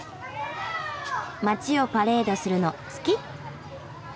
街をパレードするの好き？